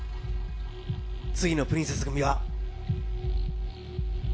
次のプリンセス組は。